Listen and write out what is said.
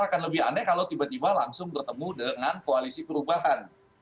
akan lebih aneh kalau tiba tiba langsung bertemu dengan koalisi perubahan